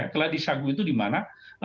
keladisagu itu di mana